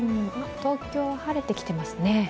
東京は晴れてきてますね。